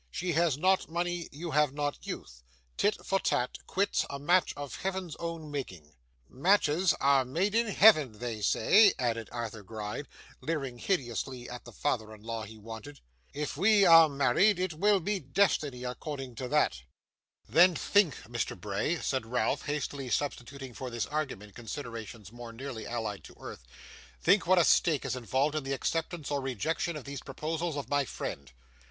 She has not money, you have not youth. Tit for tat, quits, a match of Heaven's own making!' 'Matches are made in Heaven, they say,' added Arthur Gride, leering hideously at the father in law he wanted. 'If we are married, it will be destiny, according to that.' 'Then think, Mr. Bray,' said Ralph, hastily substituting for this argument considerations more nearly allied to earth, 'think what a stake is involved in the acceptance or rejection of these proposals of my friend.